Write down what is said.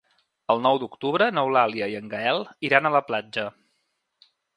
El nou d'octubre n'Eulàlia i en Gaël iran a la platja.